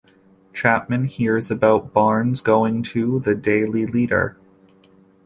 Chapman hears about Barnes going to the "Daily Leader".